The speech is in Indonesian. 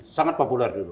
sangat populer dulu